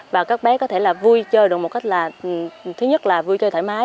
và các bé có thể là vui chơi được một cách là thứ nhất là vui chơi thoải mái